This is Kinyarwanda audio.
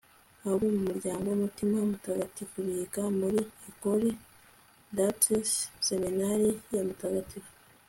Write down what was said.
abo mu muryango w'umutima mutagatifu biga muri ecole d'arts, seminari ya mutagatifu